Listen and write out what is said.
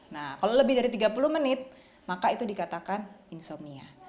nah kalau lebih dari tiga puluh menit maka itu dikatakan insomnia